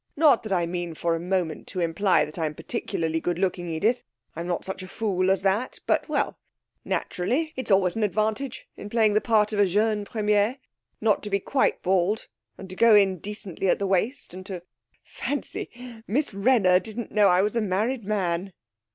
Not that I mean for a moment to imply that I'm particularly good looking, Edith I'm not such a fool as that. But well, naturally, it's always an advantage in playing the part of a jeune premier not to be quite bald and to go in decently at the waist, and to Fancy, Miss Wrenner didn't know I was a married man!'